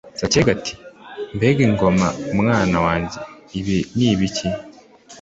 Sacyega ati « mbe Ngoma mwana wanjye, ibi ni ibiki?